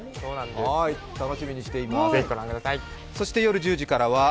楽しみにしています。